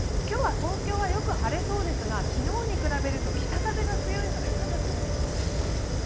今日は東京はよく晴れそうですが昨日に比べると北風が強いので寒くなりそうです。